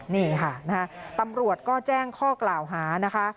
นี่ค่ะตำรวจก็แจ้งข้อกล่าวหานะคะ